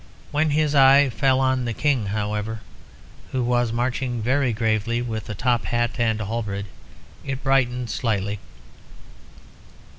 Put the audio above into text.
When his eye fell on the King, however, who was marching very gravely with a top hat and a halberd, it brightened slightly.